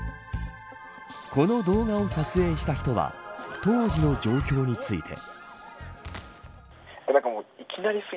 この動画を撮影した人は当時の状況について。